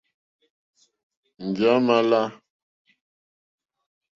Ndí à mà lá.